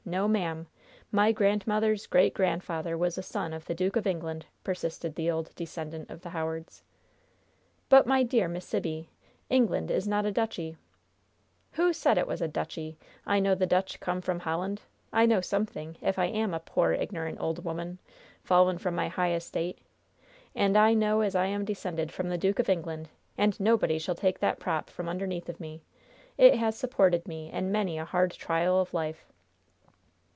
no, ma'am. My grandmother's great grandfather was the son of the Duke of England!" persisted the old descendant of the Howards. "But, my dear Miss Sibby, England is not a duchy!" "Who said it was Dutchy! I know the Dutch come from Holland. I know something, if I am a poor, ignorant old 'oman, fallen from my high estate. And I know as I am descended from the Duke of England, and nobody shall take that prop from underneath of me! It has supported me in many a hard trial of life!"